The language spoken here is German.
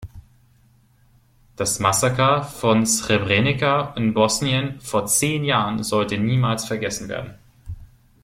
Das Massaker von Srebrenica in Bosnien vor zehn Jahren sollte niemals vergessen werden.